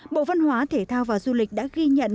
bộ văn hóa thể thao và du lịch đã ghi nhận